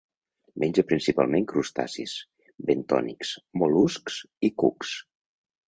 Menja principalment crustacis bentònics, mol·luscs i cucs.